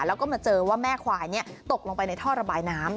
แล้วก็มาเจอว่าแม่ควายตกลงไปในท่อระบายน้ำ